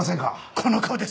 この顔です。